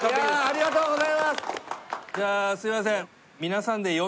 じゃあすいません・